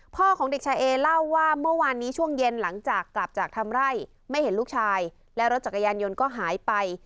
ของเด็กชายเอเล่าว่าเมื่อวานนี้ช่วงเย็นหลังจากกลับจากทำไร่ไม่เห็นลูกชายและรถจักรยานยนต์ก็หายไป